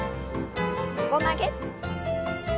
横曲げ。